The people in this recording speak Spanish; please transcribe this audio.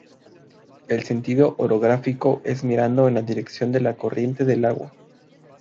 El sentido orográfico es mirando en la dirección de la corriente del agua.